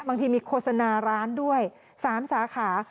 บางทีมีโฆษณาร้านด้วย๓สาขา